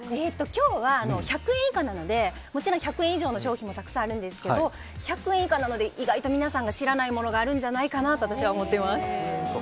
今日は１００円以下なのでもちろん１００円以上の商品もたくさんあるんですが１００円以下なので意外と皆さん知らないものがあるんじゃないかと思っています。